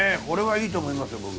これはいいと思いますよ